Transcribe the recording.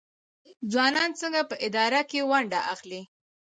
ځوانان څنګه په اداره کې ونډه اخلي؟